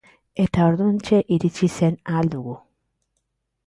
Eta orduantxe iritsi zen Ahal Dugu.